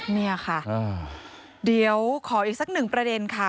เนี่ยค่ะเดี๋ยวขออีกสักหนึ่งประเด็นค่ะ